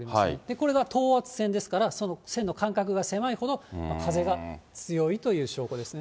これが等圧線ですから、その線の間隔が狭いほど、風が強いという証拠ですね。